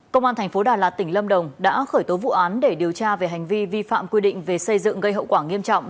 công an thành phố đà lạt tỉnh lâm đồng đã khởi tố vụ án để điều tra về hành vi vi phạm quy định về xây dựng gây hậu quả nghiêm trọng